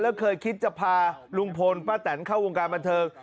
แล้วเคยคิดจะพาลุงพลป้าแตนเข้าวงการบันเทิง